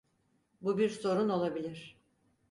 Bu bir sorun olabilir.